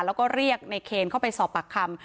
แล้วก็เรียกในเคนเข้าไปสอบปากคำ